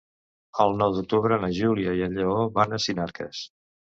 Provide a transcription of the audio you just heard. El nou d'octubre na Júlia i en Lleó van a Sinarques.